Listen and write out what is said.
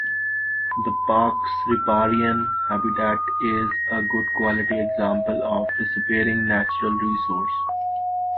The park's riparian habitat is a good quality example of a disappearing natural resource.